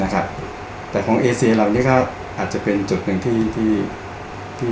นะครับแต่ของเอเซียเหล่านี้ก็อาจจะเป็นจุดหนึ่งที่ที่